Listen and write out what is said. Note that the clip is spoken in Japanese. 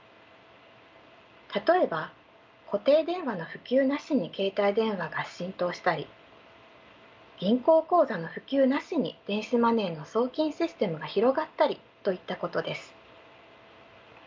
例えば固定電話の普及なしに携帯電話が浸透したり銀行口座の普及なしに電子マネーの送金システムが広がったりといったことです。